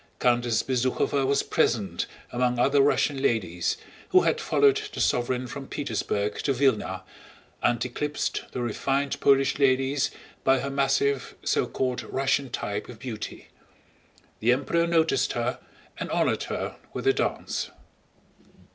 Countess Bezúkhova was present among other Russian ladies who had followed the sovereign from Petersburg to Vílna and eclipsed the refined Polish ladies by her massive, so called Russian type of beauty. The Emperor noticed her and honored her with a dance.